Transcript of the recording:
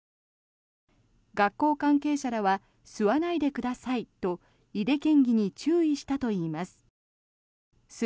学校関係者らは吸わないでくださいと井手県議に注意したといいます。